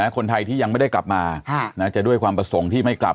คนไทยที่ยังไม่ได้กลับมาจะด้วยความประสงค์ที่ไม่กลับ